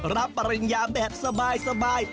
ปริญญาแบบสบาย